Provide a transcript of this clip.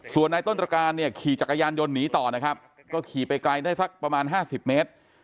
ส่วนนายต้นตรการเนี่ยขี่จักรยานยนต์หนีต่อนะครับก็ขี่ไปไกลได้สักประมาณ๕๐เมตร